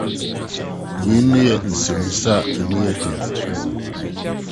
Eyinom yɛ nsɛmmisa a emu yɛ den.